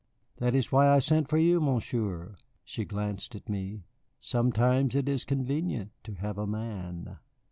That is why I sent for you, Monsieur." She glanced at me. "Sometimes it is convenient to have a man."